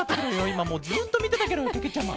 いまずっとみてたケロよけけちゃま。